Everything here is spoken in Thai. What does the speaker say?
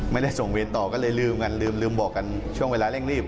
ไม่ได้ส่งเวรต่อก็เลยลืมกันลืมบอกกันช่วงเวลาเร่งรีบ